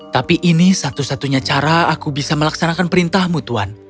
tapi ini satu satunya cara aku bisa melaksanakan perintahmu tuan